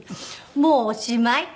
「もうおしまい。